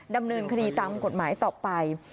ดำเนินคดีตามกฎหมายต่อไป